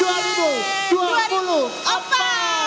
udah sehat sehat semua